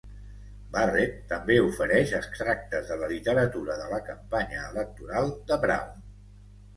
Barrett també ofereix extractes de la literatura de la campanya electoral de Brown.